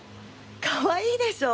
かわいいでしょ？